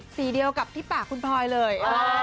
สีเดียวกับที่ปากคุณพลอยเลย